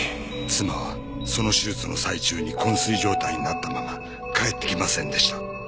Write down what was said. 妻はその手術の最中に昏睡状態になったまま帰ってきませんでした。